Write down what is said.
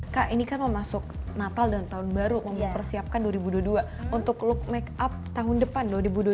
kami memasuki natal dan tahun baru mempersiapkan dua ribu dua puluh dua untuk look make up tahun depan